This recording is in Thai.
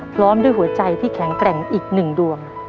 พร้อมด้วยหัวใจที่แข็งแกร่งอีกหนึ่งดวง